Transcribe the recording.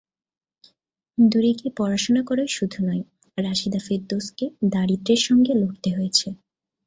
দূরে গিয়ে পড়াশোনা করাই শুধু নয়, রাশিদা ফেরদৌসকে দারিদ্র্যের সঙ্গে লড়তে হয়েছে।